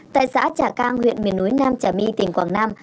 tại xã trà cang huyện miền núi nam trà my tỉnh quảng nam